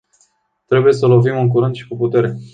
Trebuie să lovim în curând și cu putere.